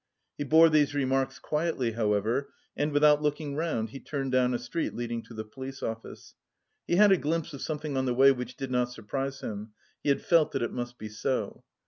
He bore these remarks quietly, however, and, without looking round, he turned down a street leading to the police office. He had a glimpse of something on the way which did not surprise him; he had felt that it must be so.